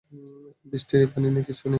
এখন বৃষ্টি নেই, পানি নেই, কিছুই নেই।